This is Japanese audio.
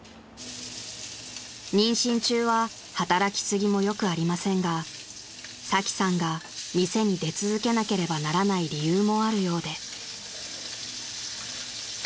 ［妊娠中は働き過ぎもよくありませんがサキさんが店に出続けなければならない理由もあるようで］